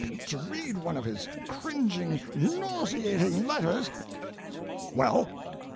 To read one of his cringing, nauseating letters—well?"